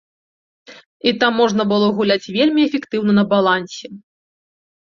І там можна было гуляць вельмі эфектыўна на балансе.